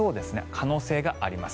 可能性があります。